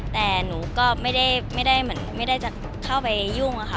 แต่หนูก็ไม่ได้จะเข้าไปยุ่งอะค่ะ